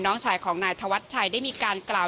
น้องชายของนายธวัชชัยได้มีการกล่าว